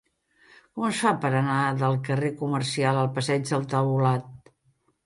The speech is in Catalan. Com es fa per anar del carrer Comercial al passeig del Taulat?